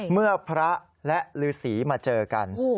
เมื่อพระและฤษีมาเจอกัน